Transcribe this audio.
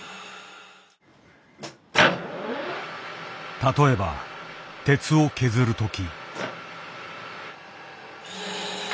例えば鉄を削るとき。